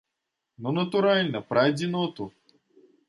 Ну натуральна, пра адзіноту!